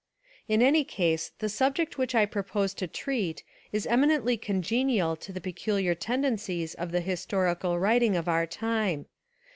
In any case the subject which I propose to treat is eminently congenial to the peculiar tendencies of the historical writing of our time.